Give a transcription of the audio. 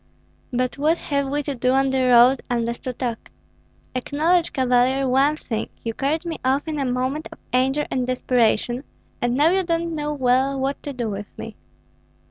"But what have we to do on the road unless to talk? Acknowledge, Cavalier, one thing: you carried me off in a moment of anger and desperation, and now you don't know well what to do with me."